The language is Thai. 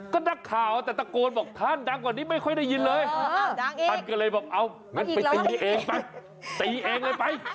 ก็หนักข่าวแต่ตะโกนบอกท่านดังกว่านี้ไม่ใยยินเลยท่านก็เลยบอกอ๊าวงั้นไปตีแองไป